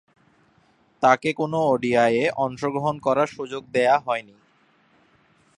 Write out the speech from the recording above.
তাকে কোন ওডিআইয়ে অংশগ্রহণ করার সুযোগ দেয়া হয়নি।